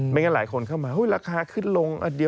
ไม่งั้นหลายคนเข้ามาหุ้ยราคาขึ้นลง